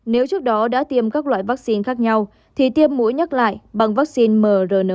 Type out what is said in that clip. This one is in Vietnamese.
nếu trước đó đã tiêm các loại vaccine khác nhau thì tiêm mũi nhắc lại bằng vaccine mrn